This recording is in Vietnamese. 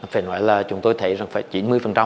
phải nói là chúng tôi thấy rằng phải chín mươi